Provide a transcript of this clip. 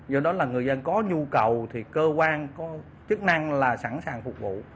do đó là người dân có nhu cầu thì cơ quan có chức năng là sẵn sàng phục vụ